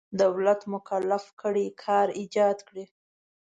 دولت مکلف کړی کار ایجاد کړي.